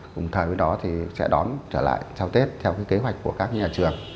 đồng thời với đó thì sẽ đón trở lại sau tết theo cái kế hoạch của các nhà trường